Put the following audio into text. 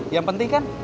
yang penting kan